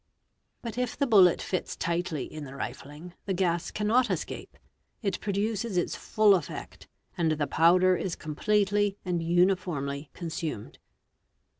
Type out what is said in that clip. But if the bullet. fits tightly in the rifling, the gas cannot escape, it produces its full effect, and the powder is completely and uniformly consumed.